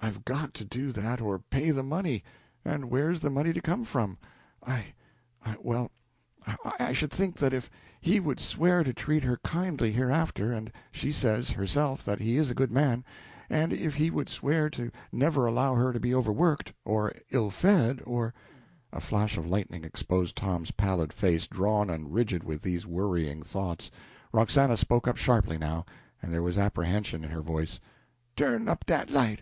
I've got to do that or pay the money, and where's the money to come from? I I well, I should think that if he would swear to treat her kindly hereafter and she says, herself, that he is a good man and if he would swear to never allow her to be overworked, or ill fed, or " A flash of lightning exposed Tom's pallid face, drawn and rigid with these worrying thoughts. Roxana spoke up sharply now, and there was apprehension in her voice "Turn up dat light!